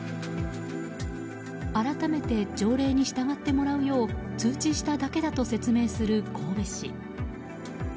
改めて条例に従ってもらうよう通知しただけだと説明する神戸市。